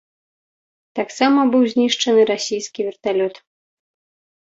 Таксама быў знішчаны расійскі верталёт.